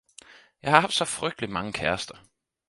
Jeg har haft så frygtelig mange kærester!